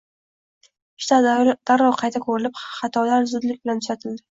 ishlar darrov qayta ko‘rilib, xatolar zudlik bilan tuzatildi.